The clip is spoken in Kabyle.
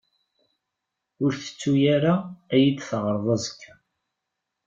Ur tettu ara ad yi-d-taɣreḍ azekka.